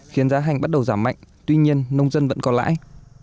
khiến giá hành bắt đầu giảm mạnh tuy nhiên nông dân vẫn có lãi